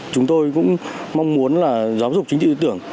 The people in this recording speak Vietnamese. chúng tôi cũng mong muốn là giáo dục chính trị tư tưởng